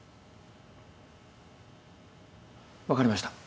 分かりました。